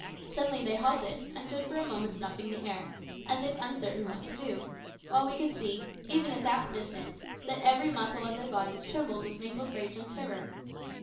Suddenly they halted, and stood for a moment snuffing the air, as if uncertain what to do; while we could see, even at that distance, that every muscle of their bodies trembled with mingled rage and terror.